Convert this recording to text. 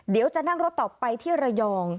เดี๋ยวจะนั่งรถต่อไปที่ระยอง